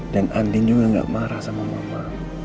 dan andi juga gak marah sama mama